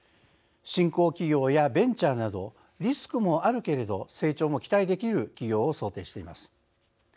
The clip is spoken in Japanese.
新興企業やベンチャーなどリスクもあるけれど成長も期待できる企業を想定しています。